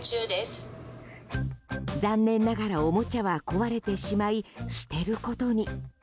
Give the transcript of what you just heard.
残念ながら、おもちゃは壊れてしまい捨てることに。